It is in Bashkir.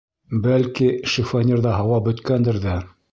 Бәлки, шифоньерҙа һауа бөткәндер ҙә...